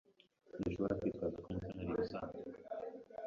Ntidushobora kwitwaza ko Mutoni ari ibisanzwe.